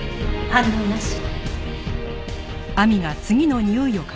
反応なし。